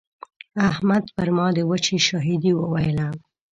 احمد پر ما د وچې شاهدي وويله.